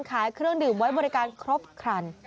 ขายเครื่องดื่มไว้บริการครบครัน